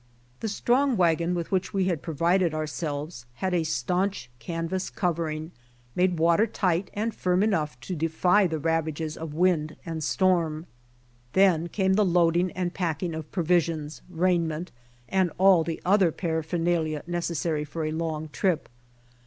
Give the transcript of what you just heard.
The strong wagon with which we had provided ourselves had a staunch canvass covering, made water tight and firm enough to defy the ravages of wind and storm. Then came the loading and pack ing of provisions, raiment, and all the other parapher nalia necessary for a long trip.